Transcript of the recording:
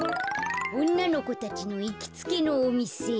おんなのこたちのいきつけのおみせ。